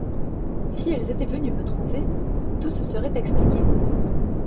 Si elles étaient venues me trouver, tout se serait expliqué.